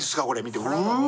これ見て。